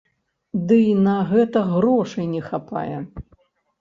Ды й на гэта грошай не хапае.